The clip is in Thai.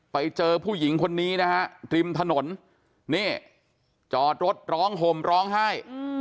ไปเจอผู้หญิงคนนี้นะฮะริมถนนนี่จอดรถร้องห่มร้องไห้